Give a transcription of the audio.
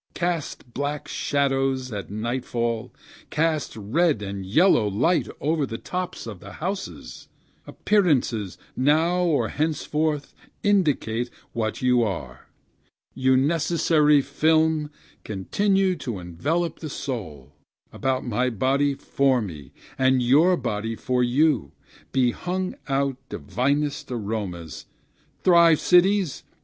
cast black shadows at nightfall; cast red and yellow light over the tops of the houses; Appearances, now or henceforth, indicate what you are; You necessary film, continue to envelop the soul; About my body for me, and your body for you, be hung our divinest aromas; Thrive, cities!